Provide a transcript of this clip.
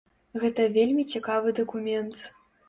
Гэта вельмі цікавы дакумент.